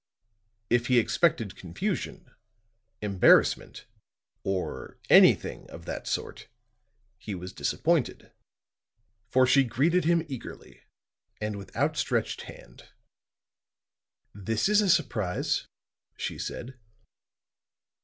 If he expected confusion, embarrassment or anything of that sort, he was disappointed; for she greeted him eagerly and with outstretched hand. "This is a surprise," she said.